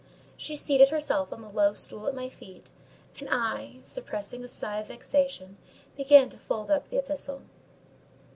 She seated herself on the low stool at my feet; and I, suppressing a sigh of vexation, began to fold up the epistle.